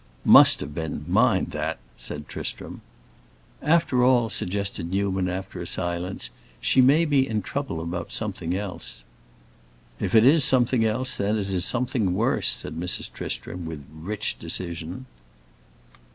"Must have been; mind that!" said Tristram. "After all," suggested Newman, after a silence, "she may be in trouble about something else." "If it is something else, then it is something worse," said Mrs. Tristram, with rich decision.